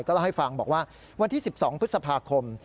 เล่าให้ฟังบอกว่าวันที่๑๒พฤษภาคม